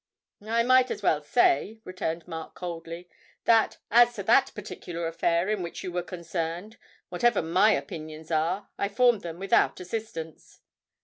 'I may as well say,' returned Mark coldly, 'that, as to that particular affair in which you were concerned, whatever my opinions are, I formed them without assistance.'